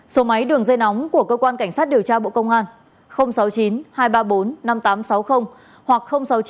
số máy đường dây nóng của cơ quan cảnh sát điều tra bộ công an sáu mươi chín hai trăm ba mươi bốn năm nghìn tám trăm sáu mươi hoặc sáu mươi chín hai trăm ba mươi một một nghìn sáu trăm